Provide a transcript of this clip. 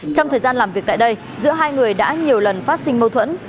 trong thời gian làm việc tại đây giữa hai người đã nhiều lần phát sinh mâu thuẫn